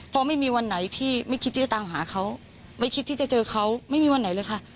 เพราะไม่มีวันไหนพี่ไม่คิดที่จะตามหาเขาไม่คิดที่จะเจอเขาไม่มีวันไหนเลยค่ะ